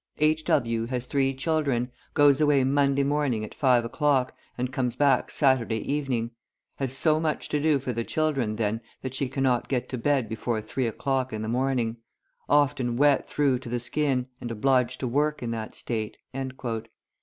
"H. W. has three children, goes away Monday morning at five o'clock, and comes back Saturday evening; has so much to do for the children then that she cannot get to bed before three o'clock in the morning; often wet through to the skin, and obliged to work in that state."